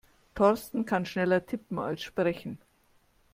Thorsten kann schneller tippen als sprechen.